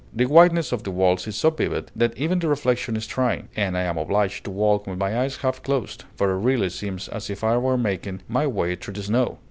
The whiteness of the walls is so vivid that even the reflection is trying, and I am obliged to walk with my eyes half closed, for it really seems as if I were making my way through the snow.